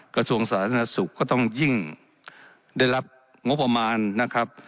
กระทรวงสาธารณสุขก็ต้องยิ่งได้รับงบประมาณนะครับ